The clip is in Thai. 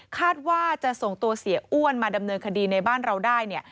คาดว่าจะส่งตัวเสียอ้วนมาดำเนินคดีในบ้านเราได้เนี่ย